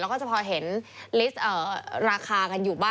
แล้วก็จะพอเห็นลิสต์ราคากันอยู่บ้าง